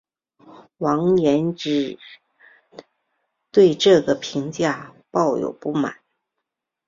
王延之对这个评价抱有不满。